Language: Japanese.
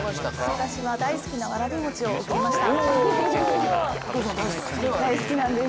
私は大好きなわらび餅を贈りました。